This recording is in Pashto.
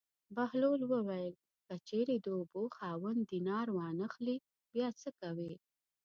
بهلول وویل: که چېرې د اوبو خاوند دینار وانه خلي بیا څه کوې.